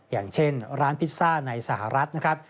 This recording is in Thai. อย่างเช่นร้านพิซซ่าในสหรัฐนะครับ